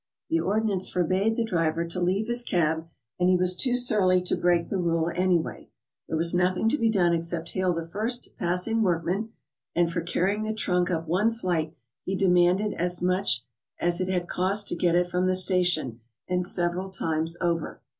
The ordinance forbade the driver to leave his cab, and he was too surly to break the rule anyway. There was nothing to be done except hail the first passing workman, and for carrying the trunk up one flight he demanded as much as it had cost to get it from the station, and several times over.